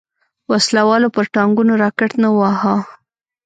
وسله والو پر ټانګونو راکټ نه وواهه.